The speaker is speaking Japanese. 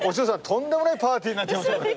とんでもないパーティーになっちゃいましたよ。